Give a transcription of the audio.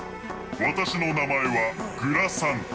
私の名前はグラサンタ。